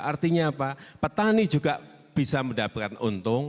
artinya apa petani juga bisa mendapatkan untung